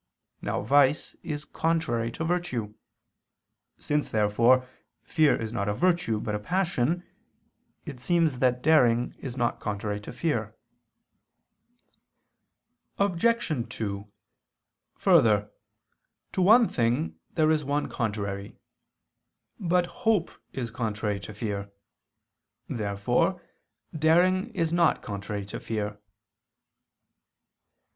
Now vice is contrary to virtue. Since, therefore, fear is not a virtue but a passion, it seems that daring is not contrary to fear. Obj. 2: Further, to one thing there is one contrary. But hope is contrary to fear. Therefore daring is not contrary to fear.